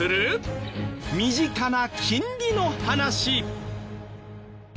身近な金利の話。